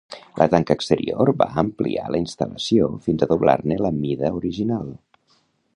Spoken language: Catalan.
La tanca exterior va ampliar la instal·lació fins a doblar-ne la mida original.